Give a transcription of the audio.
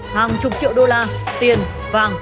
hàng chục triệu đô la tiền vàng